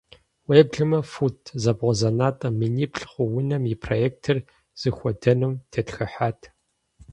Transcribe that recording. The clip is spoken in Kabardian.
Уеблэмэ фут зэбгъузэнатӏэ миниплӏ хъу унэм и проектыр зыхуэдэнум тетхыхьат.